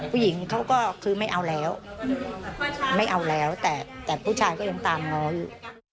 ผู้หญิงเขาก็คือไม่เอาแล้วไม่เอาแล้วแต่ผู้ชายก็ยังตามง้ออยู่